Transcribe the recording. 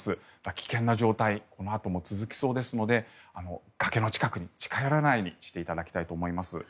危険な状態、このあとも続きそうですので崖の近くに近寄らないようにしていただきたいと思います。